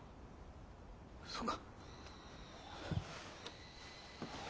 そうか。